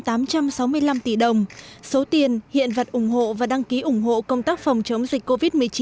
sau một tháng phát động từ ngày một mươi bảy tháng ba tổng số tiền hiện vật ủng hộ và đăng ký ủng hộ công tác phòng chống dịch covid một mươi chín